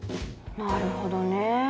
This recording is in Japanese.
なるほどね。